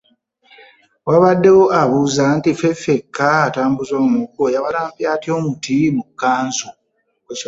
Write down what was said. Wabaddewo abuuza nti; Ffeffekka atambuza omuggo yawalampye atya omuti mu kkanzu?